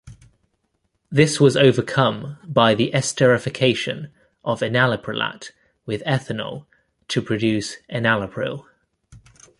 This was overcome by the esterification of enalaprilat with ethanol to produce enalapril.